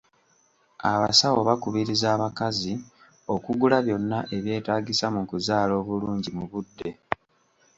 Abasawo bakubiriza abakazi okugula byonna ebyetaagisa mu kuzaala obulungi mu budde.